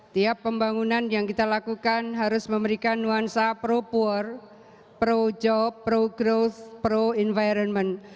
tiap pembangunan yang kita lakukan harus memberikan nuansa pro job pro growth pro environment